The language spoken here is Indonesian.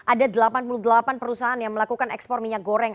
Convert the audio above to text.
ada delapan puluh delapan perusahaan yang melakukan ekspor minyak goreng